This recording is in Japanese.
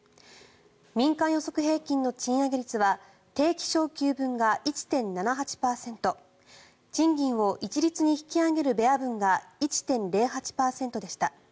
民間予測平均の賃上げ率は定期昇給分が１．７８％賃金を一律に引き上げるベア分が１．０８％でした。